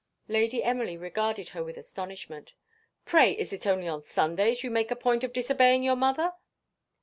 Lady Emily regarded her with astonishment. "Pray, is it only on Sundays you make a point of disobeying your mother?"